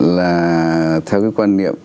là theo quan niệm